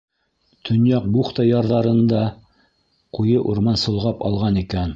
Төньяҡ бухта ярҙарын да ҡуйы урман солғап алған икән.